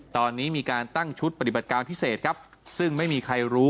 ตอนนี้มีการตั้งชุดปฏิบัติการพิเศษครับซึ่งไม่มีใครรู้